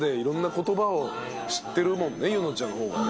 柚乃ちゃんの方がね。